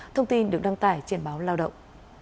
thông tin được đăng tải trên báo lao động